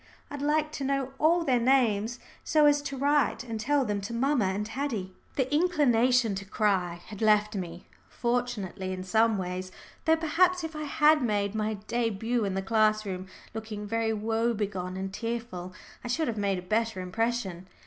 I'd like to know all their names, so as to write and tell them to mamma and Haddie." The inclination to cry had left me fortunately in some ways, though perhaps if I had made my début in the schoolroom looking very woe begone and tearful I should have made a better impression.